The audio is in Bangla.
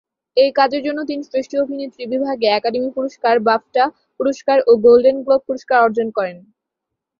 এই কাজের জন্য তিনি শ্রেষ্ঠ অভিনেত্রী বিভাগে একাডেমি পুরস্কার, বাফটা পুরস্কার ও গোল্ডেন গ্লোব পুরস্কার অর্জন করেন।